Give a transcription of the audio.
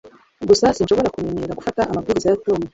gusa sinshobora kumenyera gufata amabwiriza ya tom